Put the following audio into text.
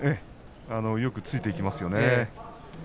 よくついていきますよね。